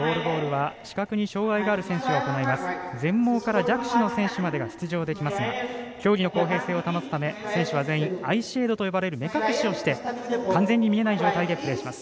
全盲から弱視の選手までが出場できますが競技の公平性を保つため選手は全員アイシェードという目隠しをして完全に見えない状態でプレーします。